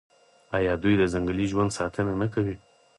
آیا دوی د ځنګلي ژوند ساتنه نه کوي؟